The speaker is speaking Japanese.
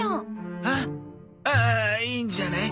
あっああいいんじゃない？